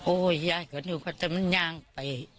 โอ้ยยายกันอยู่ค่ะแต่มันยางไป